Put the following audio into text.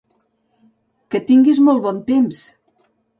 Que tinguis molt bon temps!